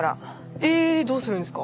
えどうするんですか？